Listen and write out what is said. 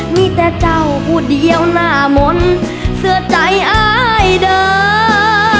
มีแต่เจ้าผู้เดียวหน้ามนต์เสื้อใจอายเด้อ